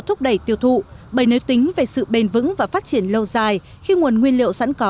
thúc đẩy tiêu thụ bởi nếu tính về sự bền vững và phát triển lâu dài khi nguồn nguyên liệu sẵn có